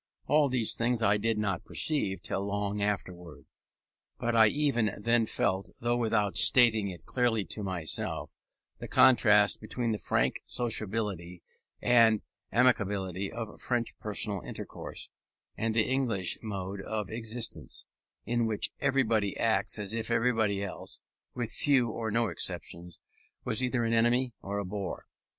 All these things I did not perceive till long afterwards; but I even then felt, though without stating it clearly to myself, the contrast between the frank sociability and amiability of French personal intercourse, and the English mode of existence, in which everybody acts as if everybody else (with few, or no exceptions) was either an enemy or a bore.